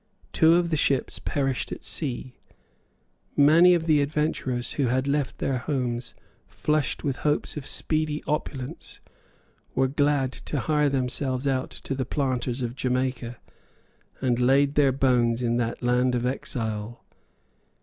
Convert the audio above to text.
Two of the ships perished at sea. Many of the adventurers, who had left their homes flushed with hopes of speedy opulence, were glad to hire themselves out to the planters of Jamaica, and laid their bones in that land of exile.